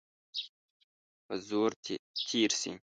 په زور تېر سي.